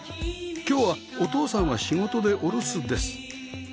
今日はお父さんは仕事でお留守です